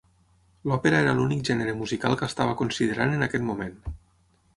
L'òpera era l'únic gènere musical que estava considerant en aquest moment.